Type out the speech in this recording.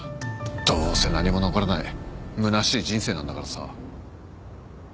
どうせ何も残らないむなしい人生なんだからさ。